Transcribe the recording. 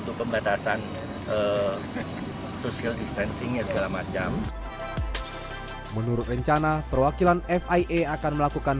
kebatasan eh kecil distancing ya segala macam menurut rencana perwakilan fia akan melakukan